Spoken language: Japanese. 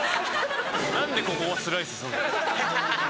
何でここはスライスすんの？